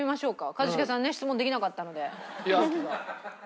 一茂さんね質問できなかったので。